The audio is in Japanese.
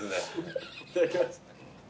いただきます。